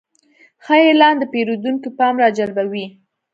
ښه اعلان د پیرودونکي پام راجلبوي.